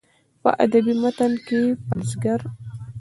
په ادبي متن کې پنځګر